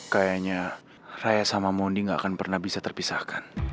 kayaknya raya sama mony gak akan pernah bisa terpisahkan